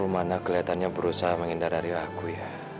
romana keliatannya berusaha menghindar dari aku ya